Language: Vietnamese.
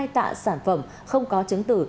hai tạ sản phẩm không có chứng tử